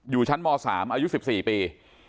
อยู่ชั้นม๓อายุ๑๔ปี